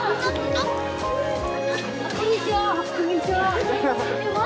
あっこんにちは